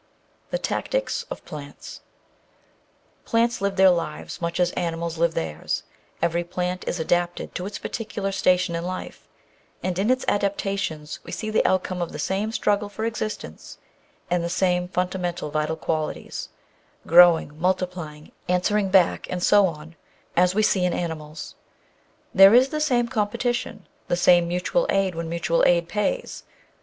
The Tactics of Plants Plants live their lives much as animals live theirs : every plant is adapted to its particular station in life, and in its adaptations we see the outcome of the same struggle for existence and the same fundamental vital qualities (growing, multiplying, answering back, and so on) as we see in animals. There is the same competi tion, the same mutual aid where mutual aid pays.